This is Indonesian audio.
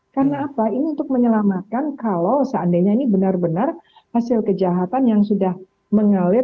karena apa ini untuk menyelamatkan kalau seandainya ini benar benar hasil kejahatan yang sudah mengalir